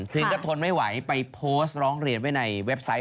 ถึงกับทนไม่ไหวไปโพสต์ร้องเรียนไว้ในเว็บไซต์